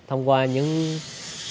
thông qua những bọn asa biết